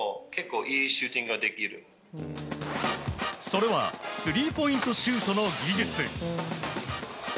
それはスリーポイントシュートの技術。